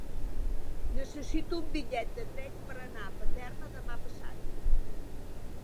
Necessito un bitllet de tren per anar a Paterna demà passat.